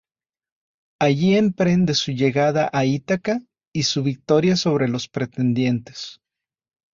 Allí emprende su llegada a Ítaca y su victoria sobre los pretendientes.